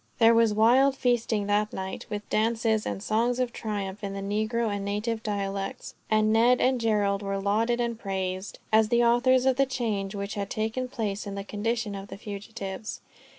There was wild feasting that night, with dances, and songs of triumph in the negro and native dialects; and Ned and Gerald were lauded and praised, as the authors of the change which had taken place in the condition of the fugitives.